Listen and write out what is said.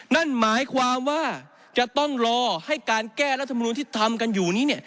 นั่นหมายความว่าจะต้องรอให้การแก้รัฐมนุนที่ทำกันอยู่นี้